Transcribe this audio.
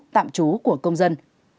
tạm chú của công dân